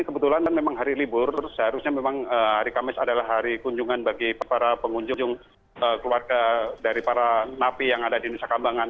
kebetulan kan memang hari libur seharusnya memang hari kamis adalah hari kunjungan bagi para pengunjung keluarga dari para napi yang ada di nusa kambangan